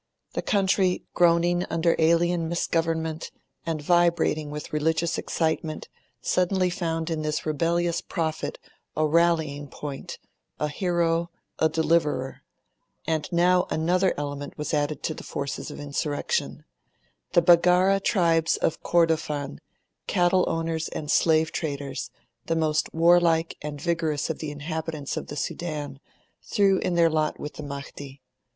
The country, groaning under alien misgovernment and vibrating with religious excitement, suddenly found in this rebellious prophet a rallying point, a hero, a deliverer. And now another element was added to the forces of insurrection. The Baggara tribes of Kordofan, cattle owners and slave traders, the most warlike and vigorous of the inhabitants of the Sudan, threw in their lot with the Mahdi.